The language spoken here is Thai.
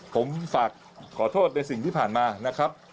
ผมฝากขอโทษในสิ่งที่ผ่านมานะครับ